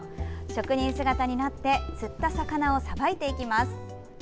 職人姿になって釣った魚をさばいていきます。